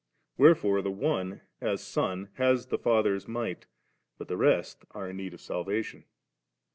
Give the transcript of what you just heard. Where fore the One, as Son, has the Father's might; but the rest are in need of salvation.